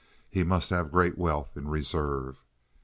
He must have great wealth in reserve.